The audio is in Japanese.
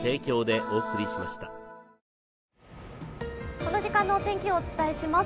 この時間のお天気をお伝えします。